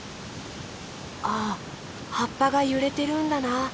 あはっぱがゆれてるんだな。